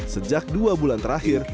sejak dua bulan terakhir